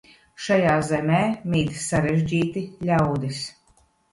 Šajā zemē mīt sarežģīti ļaudis.